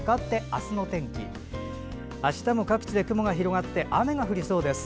あしたも各地で雲が広がって雨が降りそうです。